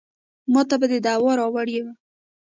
ماته به دې دوا راوړې وه.